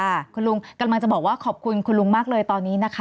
ค่ะคุณลุงกำลังจะบอกว่าขอบคุณคุณลุงมากเลยตอนนี้นะคะ